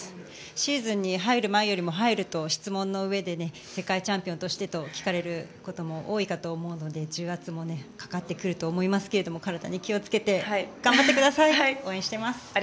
シーズンに入る前よりも入ると、質問のうえで世界チャンピオンとしてと聞かれることも多いと思うので重圧もかかってくると思いますが体に気をつけて頑張ってください応援しています。